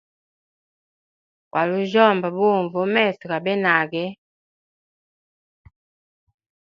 Gwali ujyomba bunvu mu meso gabenage.